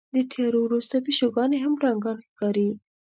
د تیارو وروسته پیشوګانې هم پړانګان ښکاري.